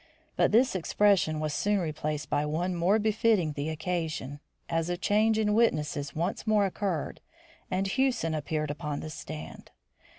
But this expression was soon replaced by one more befitting the occasion, as a change in witnesses once more occurred and Hewson appeared upon the stand.